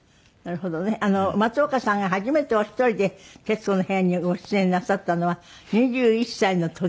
松岡さんが初めてお一人で『徹子の部屋』にご出演なさったのは２１歳の時。